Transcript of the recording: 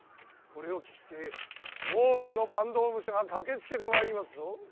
これを聞きつけ多くの坂東武者が駆けつけてまいりますぞ。